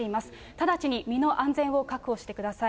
ただちに身の安全を確保してください。